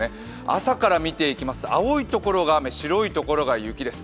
朝からみていきますと、青いところが雨、白いところが雪です。